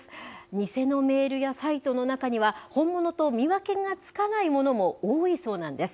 偽のメールやサイトの中には、本物と見分けがつかないものも多いそうなんです。